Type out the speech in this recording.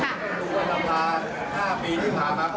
ที่เคยมองฝ่ายการเมืองค่ะท่านนายก